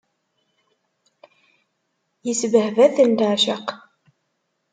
Isbehba-tent leɛceq.